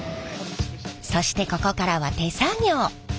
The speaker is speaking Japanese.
そしてここからは手作業。